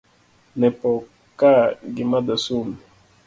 Ne poth ka gimadho sum.